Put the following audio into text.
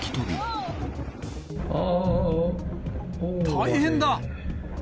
大変だ。